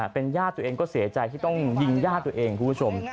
เป็นญาติตัวเองก็เสียใจที่ต้องยิงญาติตัวเองคุณผู้ชม